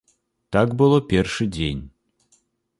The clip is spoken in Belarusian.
Так было першы дзень.